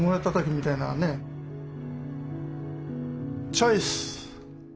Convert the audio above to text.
チョイス！